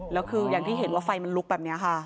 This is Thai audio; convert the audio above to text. แล้วคืออย่างที่เห็นว่าไฟมันลุกแบบนี้ค่ะ